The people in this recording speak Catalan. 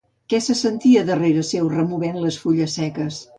Què se sentia darrere seu removent les fulles seques?